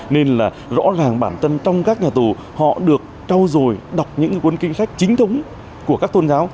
nên là rõ ràng bản thân trong các nhà tù họ được trao dồi đọc những quân kinh sách chính thống của các tôn giáo